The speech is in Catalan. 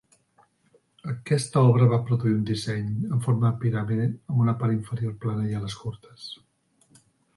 Aquesta obra va produir un disseny en forma de piràmide amb una part inferior plana i ales curtes.